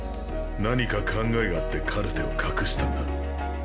何か考えがあってカルテを隠したんだ。